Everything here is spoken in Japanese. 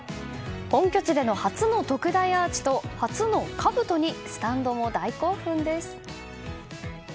本拠地での初の特大アーチと初のかぶとにスタンドも大興奮です。